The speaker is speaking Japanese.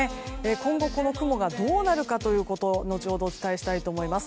今後この雲がどうなるのかということ後ほどお伝えしたいと思います。